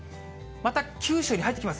また九州に入ってきます。